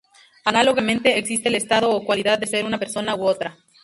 Análogamente, existe el estado o cualidad de ser una persona u otra.